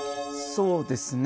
そうですね。